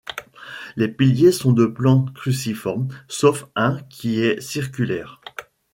Les piliers sont de plan cruciforme, sauf un qui est circulaire.